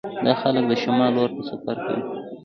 دا خلک د شمال لور ته سفر کوي